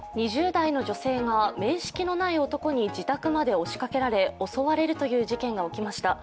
２０代の女性が面識のない男に自宅まで押しかけられ襲われるという事件が起きました。